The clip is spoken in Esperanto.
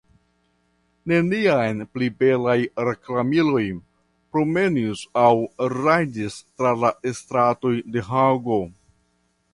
Neniam pli belaj reklamiloj promenis aŭ rajdis tra la stratoj de Hago?